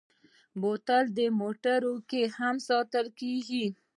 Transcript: بوتل د موټرو کې هم ساتل کېږي.